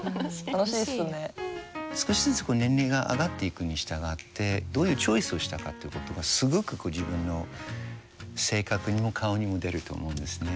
少しずつ年齢が上がっていくに従ってどういうチョイスをしたかということがすごく自分の性格にも顔にも出ると思うんですね。